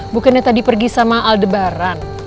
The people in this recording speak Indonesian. bukannya tadi pergi sama al debaran